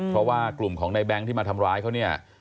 เพราะว่ากลุ่มของในแบงค์ที่มาทำร้ายเขาเนี่ย